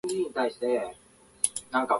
一ページ、一ページ、丁寧にページを確かめていく